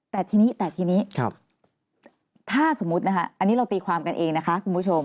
แต่ทีนี้ถ้าสมมตินะครับอันนี้เราตีความกันเองนะคะคุณผู้ชม